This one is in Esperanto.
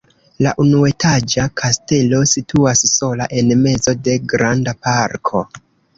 La unuetaĝa kastelo situas sola en mezo de granda parko.